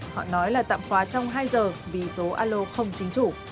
họ nói là tạm khóa trong hai giờ vì số alo không chính chủ